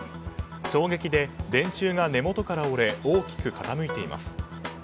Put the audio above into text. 衝撃で電柱が根元から折れ大きく傾いています。